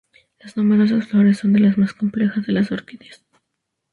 Las numerosas flores son de las más complejas de las orquídeas.